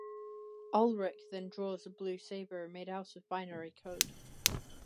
Ulrich then draws a blue saber made out of binary code.